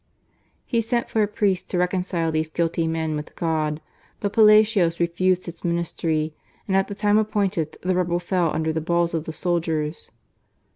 '*' He sent for a priest to reconcile these guilty men with God,, but Palacios refused his ministry and at the time appointed the rebel fell under the balls of the soldiers.